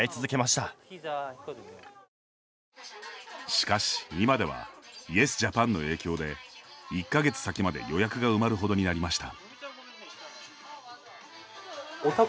しかし、今ではイエスジャパンの影響で１か月先まで予約が埋まるほどになりました。